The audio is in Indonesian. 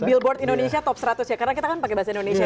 billboard indonesia top seratus ya karena kita kan pakai bahasa indonesia